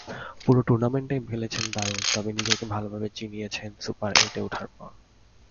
পুরো টুর্নামেন্টেই খেলেছেন দারুণ, তবে নিজেকে ভালোভাবে চিনিয়েছেন সুপার এইটে ওঠার পর।